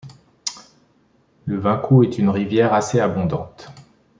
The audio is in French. Le Vincou est une rivière assez abondante.